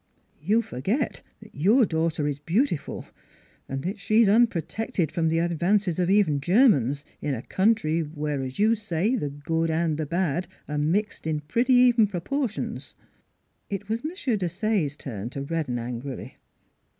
' You forget that your daughter is beautiful, and that she is unprotected from the advances of even Germans in a country where, as you say, the good and the bad are mixed in pretty even proportions." It was M. Desaye's turn to redden angrily.